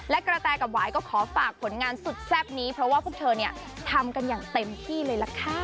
และกระแตกับหวายก็ขอฝากผลงานสุดแซ่บนี้เพราะว่าพวกเธอเนี่ยทำกันอย่างเต็มที่เลยล่ะค่ะ